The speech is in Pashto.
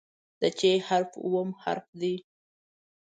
د "چ" حرف اووم حرف دی.